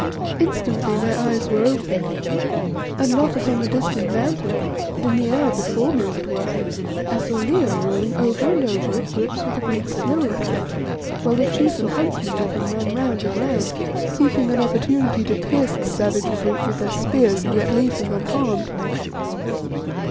Instantly my eyes were opened, and, not upon the distant Mountain, but in the air before me as it were, I saw Leo rolling over and over at grips with a great snow leopard, whilst the chief and huntsmen with him ran round and round, seeking an opportunity to pierce the savage brute with their spears and yet leave him unharmed.